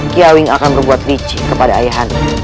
kiawi akan membuat licik kepada ayah anda